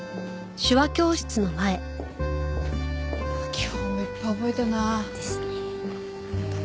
今日もいっぱい覚えたな。ですね。